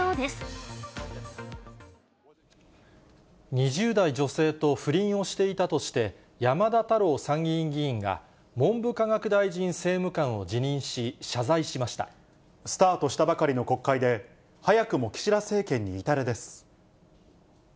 ２０代女性と不倫をしていたとして、山田太郎参議院議員が、文部科学大臣政務官を辞任し、スタートしたばかりの国会で、早くも岸田政権に痛手です。